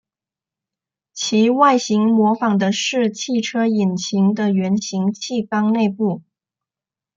其外形模仿的是汽车引擎的圆形汽缸内部。